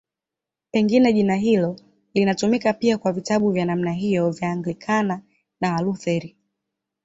Pengine jina hilo linatumika pia kwa vitabu vya namna hiyo vya Anglikana na Walutheri.